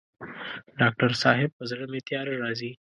ډاکټر صاحب په زړه مي تیاره راځي